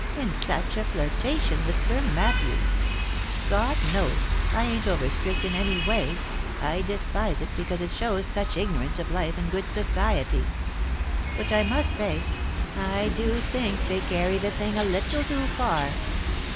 And such a flirtation with Sir Matthew ! God knows, I ain't over strict in any way ; I despise it, because it shows such ignorance of life and good society. But I must say, I do think they carry the thing a little too far.